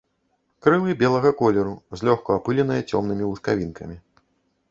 Крылы белага колеру, злёгку апыленыя цёмнымі лускавінкамі.